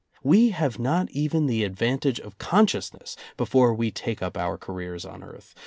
We have not even the advantage of con sciousness before we take up our careers on earth.